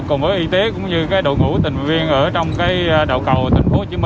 cùng với y tế cũng như đội ngũ tình viên ở trong đầu cầu tp hcm